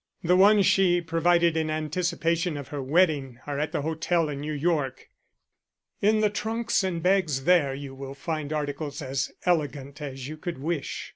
"The ones she provided in anticipation of her wedding are at the hotel in New York. In the trunks and bags there you will find articles as elegant as you could wish."